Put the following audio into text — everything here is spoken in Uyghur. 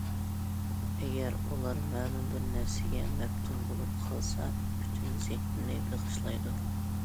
ئەگەر ئۇلار مەلۇم بىر نەرسىگە مەپتۇن بولۇپ قالسا، پۈتۈن زېھنىنى بېغىشلايدۇ.